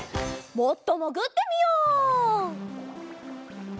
もっともぐってみよう！